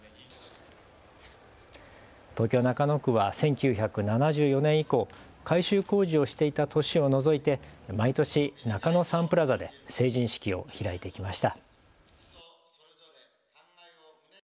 東京中野区は１９７４年以降、改修工事をしていた年を除いて毎年、中野サンプラザで成人式を開いてきました。